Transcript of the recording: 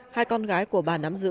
các con gái của bà nắm giữ